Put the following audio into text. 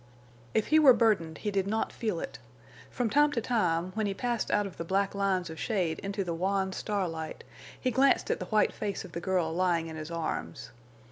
If he were burdened he did not feel it. From time to time, when he passed out of the black lines of shade into the wan starlight, he glanced at the white face of the girl lying in his arms.